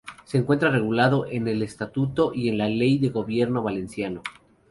Se encuentra regulado en el Estatuto y en la Ley de Gobierno Valenciano.